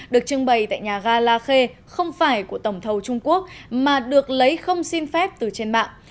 được trưng bày tại nhà ga la khê không phải của tổng thầu trung quốc mà được lấy không xin phép từ trên mạng